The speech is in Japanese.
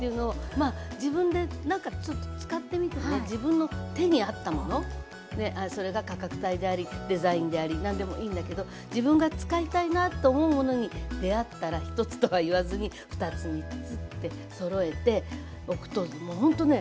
まあ自分でなんか使ってみてね自分の手に合ったものそれが価格帯でありデザインであり何でもいいんだけど自分が使いたいなと思うものに出合ったら１つとは言わずに２つ３つってそろえておくともうほんとね